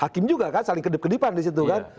hakim juga kan saling kedip kedipan di situ kan